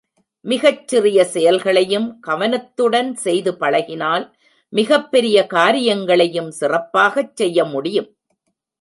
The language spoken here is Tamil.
மிகச் சிறிய செயல்களையும் கவனத்துடன் செய்து பழகினால் மிகப்பெரிய காரியங்களையும் சிறப்பாகச் செய்ய முடியும்.